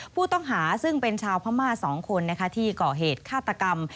ผู้ต้องหาซึ่งเป็นชาวพม่า๒คนที่ก่อเหตุฆาตกรรม